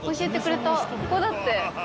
ここだって。